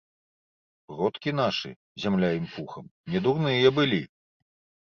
Продкі нашы, зямля ім пухам, не дурныя былі.